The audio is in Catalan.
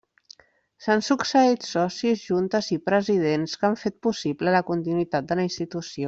S’han succeït socis, juntes i presidents que han fet possible la continuïtat de la institució.